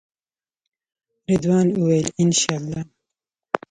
رضوان وویل انشاالله.